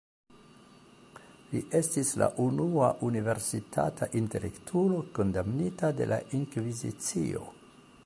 Li estis la unua universitata intelektulo kondamnita de la Inkvizicio.